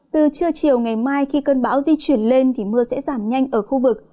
từ trưa chiều ngày mai khi cơn bão di chuyển lên thì mưa sẽ giảm nhanh ở khu vực